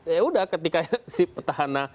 yaudah ketika si petahana